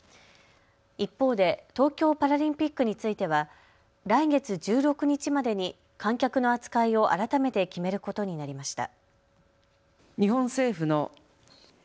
一方で東京パラリンピックについては来月１６日までに観客の扱いを改めて決めることになりました。